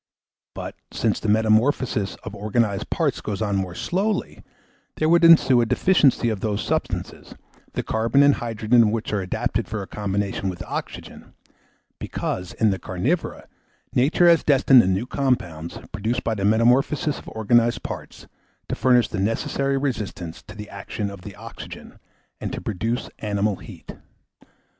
But, since the metamorphosis of organised parts goes on more slowly, there would ensue a deficiency of those substances, the carbon and hydrogen of which are adapted for combination with oxygen; because, in the carnivora, nature has destined the new compounds, produced by the metamorphosis of organised parts, to furnish the necessary resistance to the action of the oxygen, and to produce animal heat.